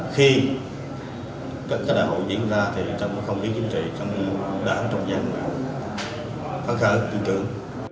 khi các đảng hội diễn ra thì trong công ty chính trị trong đảng trong giám đốc phát khởi tiên trưởng